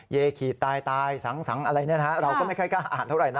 ขี่ตายสังอะไรเราก็ไม่ค่อยกล้าอ่านเท่าไหนะ